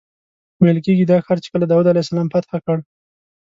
ویل کېږي دا ښار چې کله داود علیه السلام فتح کړ.